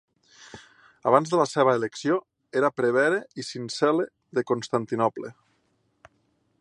Abans de la seva elecció era prevere i sincel·le de Constantinoble.